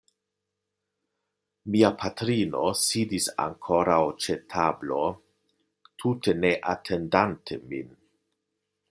Mia patrino sidis ankoraŭ ĉe tablo tute ne atendante min.